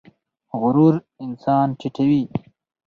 غرور انسان ټیټوي